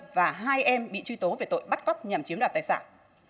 và hai em bị truy tố về tội bắt cóc nhằm chiếm đoạt tài sản